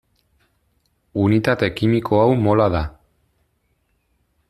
Unitate kimiko hau mola da.